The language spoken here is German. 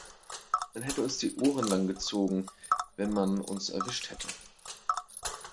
Man hätte uns die Ohren lang gezogen, wenn man uns erwischt hätte.